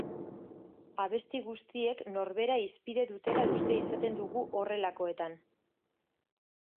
Abesti guztiek norbera hizpide dutela uste izaten dugu horrelakoetan.